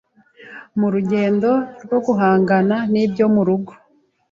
Mu rugendo rwo guhangana n’ibyo mu rugo,